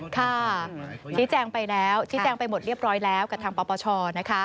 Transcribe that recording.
ค่ะชิ้นแจงไปแล้วชิ้นแจงไปหมดเรียบร้อยแล้วกับทางปราบประชานะครับ